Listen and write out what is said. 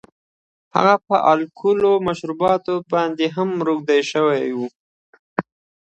هغه په الکولي مشروباتو باندې هم روږدی شوی و